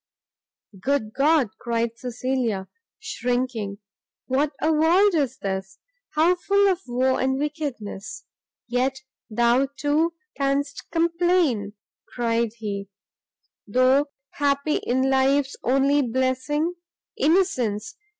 "Good God!" cried Cecilia, shrinking, "what a world is this! how full of woe and wickedness!" "Yet thou, too, canst complain," cried he, "though happy in life's only blessing, Innocence!